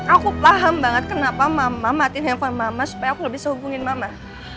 aku paham banget kenapa mama matiin handphone mama supaya aku lebih sehubungin mama